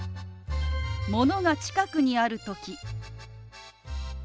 ものが近くにある時。